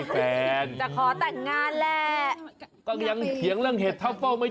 เพราะถึงท่าเข้าไป